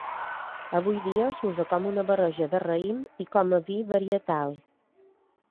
Avui dia s'usa com una barreja de raïm i com a vi varietal.